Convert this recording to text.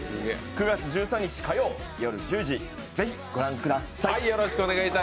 ９月１３日火曜夜１０時ぜひご覧ください。